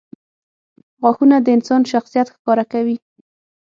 • غاښونه د انسان شخصیت ښکاره کوي.